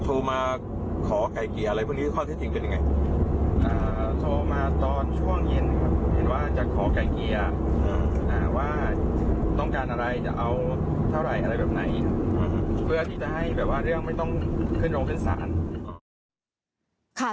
เพื่อที่จะให้เรื่องไม่ต้องขึ้นลงเป็นสาร